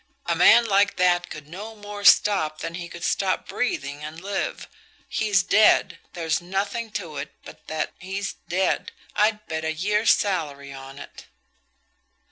A man like that could no more stop than he could stop breathing and live. He's dead; there's nothing to it but that he's dead. I'd bet a year's salary on it."